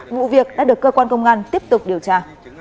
vụ việc đã được cơ quan công an tiếp tục điều tra